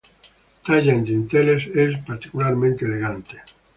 Talla en dinteles es particularmente elegante.